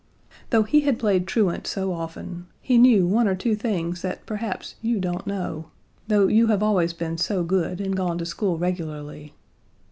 Though he had played truant so often, he knew one or two things that perhaps you don't know, though you have always been so good and gone to school regularly.